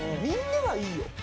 みんなはいいよ。